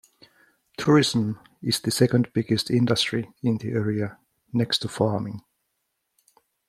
Tourism is the second biggest industry in the area, next to farming.